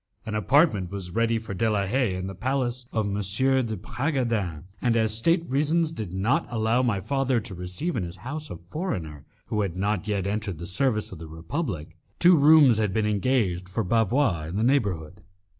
An apartment was ready for De la Haye in the palace of M. de Bragadin, and as state reasons did not allow my father to receive in his own house a foreigner who had not yet entered the service of the Republic, two rooms had been engaged for Bavois in the neighbourhood.